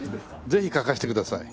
ぜひ書かせてください。